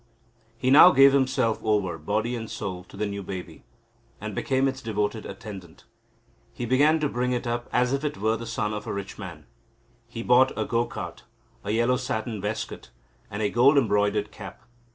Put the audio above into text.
He now gave himself over, body and soul, to the new baby, and became its devoted attendant. He began to bring it up, as if it were the son of a rich man. He bought a go cart, a yellow satin waistcoat, and a gold embroidered cap.